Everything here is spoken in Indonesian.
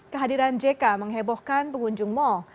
kehadiran jk menghebohkan pengunjung mal